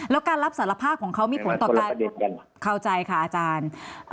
แล้วการรับสารภาพของเขามีผลต่อการเข้าใจค่ะอาจารย์